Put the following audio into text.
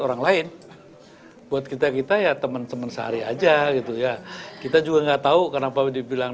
orang lain buat kita kita ya teman teman sehari aja gitu ya kita juga enggak tahu kenapa dibilang